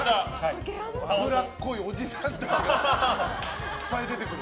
脂っこいおじさんたちがいっぱい出てくる。